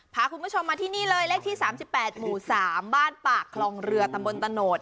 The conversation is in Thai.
พาคุณผู้ชมมาที่นี่เลยเลขที่๓๘หมู่๓บ้านปากคลองเรือตำบลตะโนธ